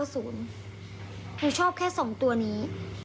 หนูชอบแค่๒ตัวนี้